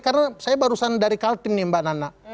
karena saya barusan dari kaltim nih mbak nana